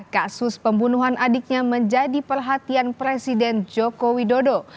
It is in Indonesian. kasus pembunuhan adiknya menjadi perhatian presiden joko widodo